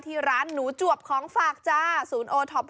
แต่ว่าก่อนอื่นเราต้องปรุงรสให้เสร็จเรียบร้อย